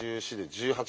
１８